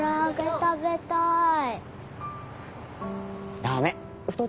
食べたい！